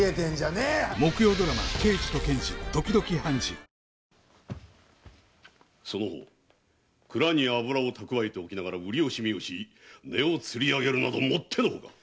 アサヒの緑茶「颯」その方蔵に油を蓄えておきながら売り惜しみ値をつり上げるなどもってのほか！